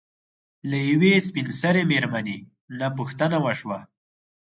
له يوې سپين سري مېرمنې نه پوښتنه وشوه